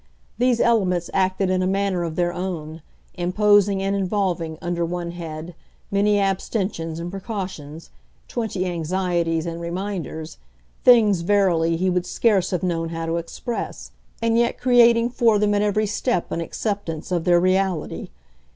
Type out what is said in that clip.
These elements acted in a manner of their own, imposing and involving, under one head, many abstentions and precautions, twenty anxieties and reminders things, verily, he would scarce have known how to express; and yet creating for them at every step an acceptance of their reality.